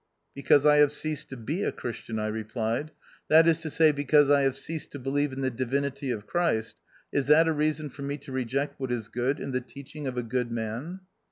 " Because I have ceased to be a Christian," I replied, "that is to say, because I have ceased to believe in the Divinity of Christ, is that a reason for me to reject what is good in the teaching of a good man